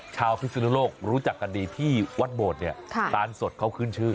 พิสุนโลกรู้จักกันดีที่วัดโบดเนี่ยตานสดเขาขึ้นชื่อ